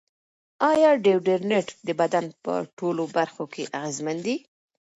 ایا ډیوډرنټ د بدن په ټولو برخو کې اغېزمن دی؟